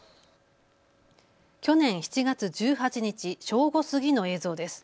去年７月１８日正午過ぎの映像です。